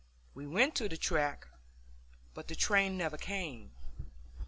We went to the track, but the train never came.